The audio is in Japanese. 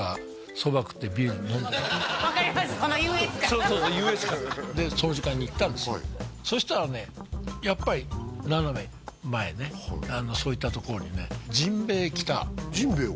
その優越感そうそうそう優越感でその時間に行ったんですよそしたらねやっぱり斜め前ねそういったところにね甚平着た甚平を？